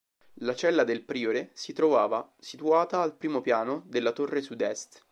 La cella del priore si trovava situata al primo piano della torre sud est.